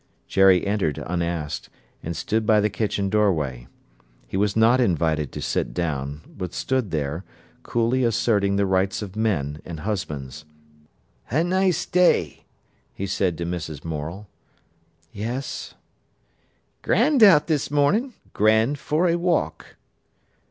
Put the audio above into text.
Jerry entered unasked, and stood by the kitchen doorway. He was not invited to sit down, but stood there, coolly asserting the rights of men and husbands. "A nice day," he said to Mrs. Morel. "Yes. "Grand out this morning—grand for a walk."